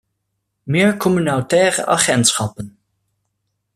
Meer communautaire agentschappen!